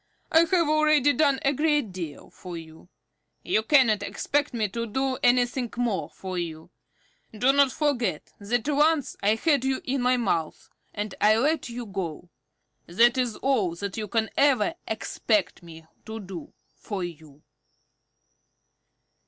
I have already done a great deal for you. You cannot expect me to do anything more for you. Do not forget that once I had you in my mouth, and I let you go. That is all that you can ever expect me to do for you."